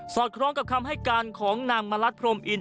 สอดครองกับคำให้การของนางมารัตพรมอิน